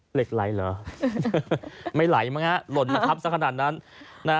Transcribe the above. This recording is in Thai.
เหล็กไหลหรอไม่ไหลมั้งนะหล่นนะครับสักขนาดนั้น